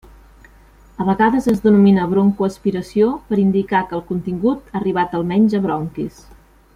A vegades es denomina broncoaspiració per indicar que el contingut ha arribat almenys a bronquis.